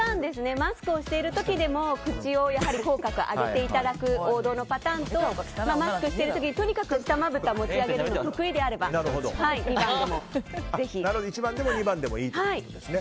マスクをしている時でも口の口角上げていただく王道のパターンとマスクしてる時にとにかく下まぶたを持ちげるのが１番でも２番でもいいということですね。